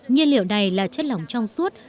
nhân liệu này là chất lỏng trong suốt